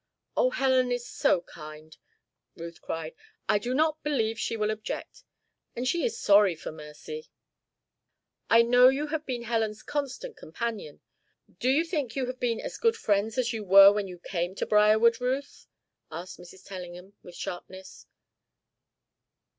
"Oh, Helen is so kind!" Ruth cried. "I do not believe she will object. And she is sorry for Mercy." "I know you have been Helen's constant companion. Do you think you have been as good friends as you were when you came to Briarwood, Ruth?" asked Mrs. Tellingham, with sharpness.